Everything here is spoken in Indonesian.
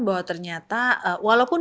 bahwa ternyata walaupun